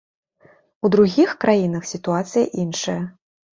У другіх краінах сітуацыя іншая.